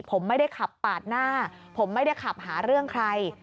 ผมไม่ได้ขับปาดหน้าผมไม่ได้ขับหาเรื่องใคร